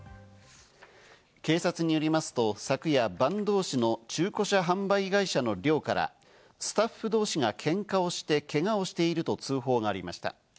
警察によりますと、昨夜、坂東市の中古車販売会社の寮からスタッフ同士がケンカをしてけがをしていると通報がありました。